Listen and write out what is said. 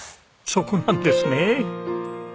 そこなんですね。